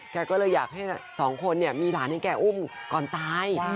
แกก็เลยอยากให้สองคนเนี่ยมีหลานให้แกอุ้มก่อนตาย